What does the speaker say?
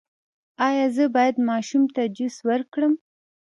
ایا زه باید ماشوم ته جوس ورکړم؟